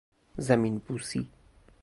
زمین بوسی